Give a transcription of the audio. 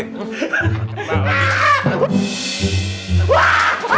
tak kena lagi